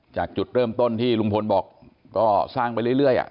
จากจุดเริ่มต้นที่ลุงพลบอกก็สร้างไปเรื่อย